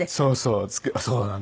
そうそう。